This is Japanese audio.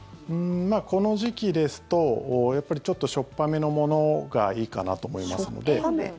この時期ですとやっぱりちょっとしょっぱめのものがいいかなと思いますので。